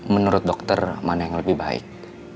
menurut dokter mana yang lebih baik